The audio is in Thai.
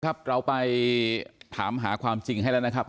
ครับเราไปถามหาความจริงให้แล้วนะครับ